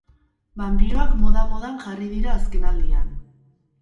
Banpiroak moda-modan jarri dira azkenaldian.